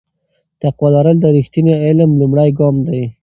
تقوا لرل د رښتیني علم لومړی ګام دی.